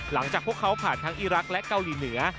หลังจากพวกเขาผ่านทั้งอีรักษ์และเกาหลีเหนือ